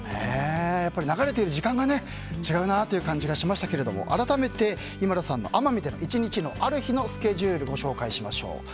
流れている時間が違うなという感じがしましたが改めて、ＩＭＡＬＵさんの奄美での１日のある日のスケジュールご紹介しましょう。